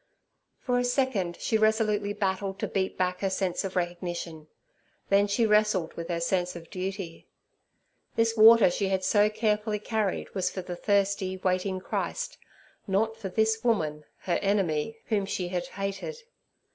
For a second she resolutely battled to beat back her sense of recognition; then she wrestled with her sense of duty. This water she had so carefully carried was for the thirsty, waiting Christ, not for this woman, her enemy, whom she had hated.